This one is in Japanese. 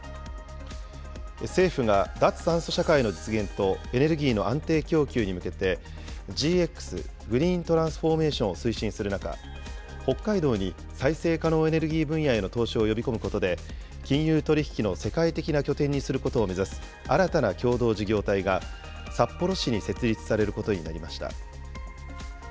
政府が脱炭素社会の実現と、エネルギーの安定供給に向けて、ＧＸ・グリーントランスフォーメーションを推進する中、北海道に再生可能エネルギー分野への投資を呼び込むことで、金融取引の世界的な拠点にすることを目指す、新たな共同事業体が札幌市に設立されることになりました。